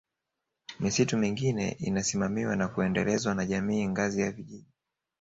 Misitu mingine inasimamiwa na kuendelezwa na Jamii ngazi ya Vijiji